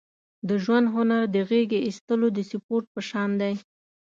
د ژوند هنر د غېږې اېستلو د سپورت په شان دی.